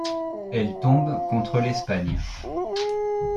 Elle tombe contre l’Espagne.